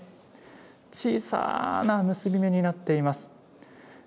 小さな結び目になっています。